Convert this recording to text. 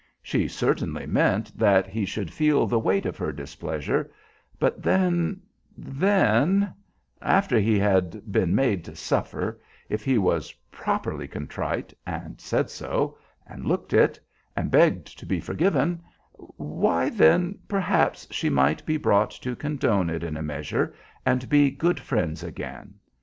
She certainly meant that he should feel the weight of her displeasure; but then then after he had been made to suffer, if he was properly contrite, and said so, and looked it, and begged to be forgiven, why then, perhaps she might be brought to condone it in a measure and be good friends again.